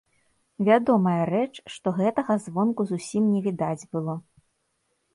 Вядомая рэч, што гэтага звонку зусім не відаць было.